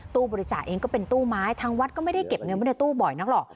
ตู้บริจาคเองก็เป็นตู้ไม้ทางวัดก็ไม่ได้เก็บเงินไว้ในตู้บ่อยนักหรอก